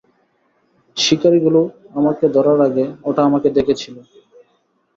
শিকারীগুলো আমাকে ধরার আগে, ওটা আমাকে দেখেছিল।